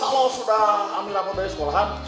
nah kalau sudah ambil rapot dari sekolahan